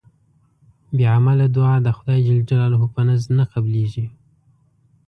بی عمله دوعا د خدای ج په نزد نه قبلېږي